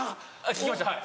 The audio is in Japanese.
聞きましたはい。